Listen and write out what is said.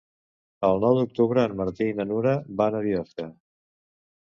El nou d'octubre en Martí i na Nura van a Biosca.